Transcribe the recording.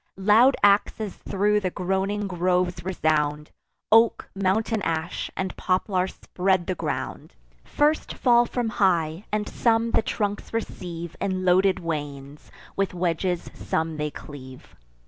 Loud axes thro' the groaning groves resound; Oak, mountain ash, and poplar spread the ground; First fall from high; and some the trunks receive In loaden wains; with wedges some they cleave.